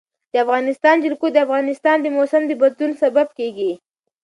د افغانستان جلکو د افغانستان د موسم د بدلون سبب کېږي.